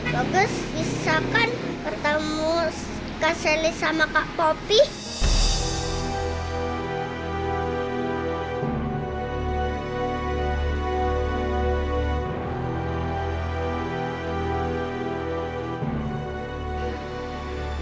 bagus bisa kan ketemu kak sally sama kak poppy